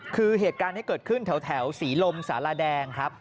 คือเหตุการณ์นี้เกิดขึ้นแถวศรีลมสารแดงครับ